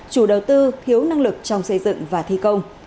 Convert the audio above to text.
chủ đầu tư thiếu năng lực trong xây dựng và thi công